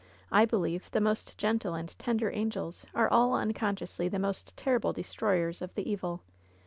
"I believe the most gentle and tender angels are all unconsciously the most terrible destroyers of the evil.